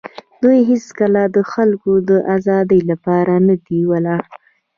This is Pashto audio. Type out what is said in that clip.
دوی هېڅکله د خلکو د آزادۍ لپاره نه دي ولاړ.